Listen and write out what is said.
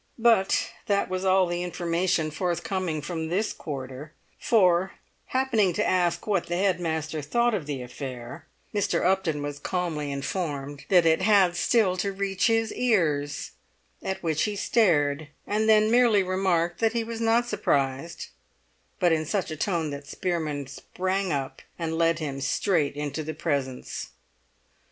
But that was all the information forthcoming from this quarter; for, happening to ask what the head master thought of the affair, Mr. Upton was calmly informed that it had still to reach his ears; at which he stared, and then merely remarked that he was not surprised, but in such a tone that Spearman sprang up and led him straight into the presence.